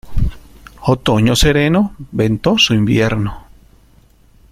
Otoño sereno, ventoso invierno.